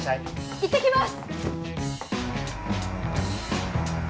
いってきます！